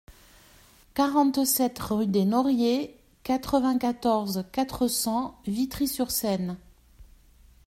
quarante-sept rue des Noriets, quatre-vingt-quatorze, quatre cents, Vitry-sur-Seine